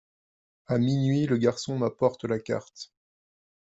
À minuit le garçon m’apporte la carte.